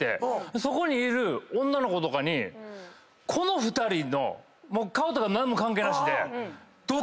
そこにいる女の子にこの２人の顔とか何も関係なしで。